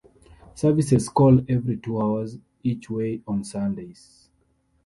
Services call every two hours each way on Sundays.